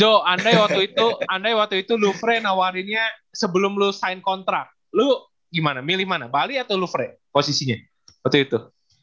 do andai waktu itu andai waktu itu lu fre nawarinnya sebelum lu sign kontrak lu gimana milih mana bali atau lu fre posisinya waktu itu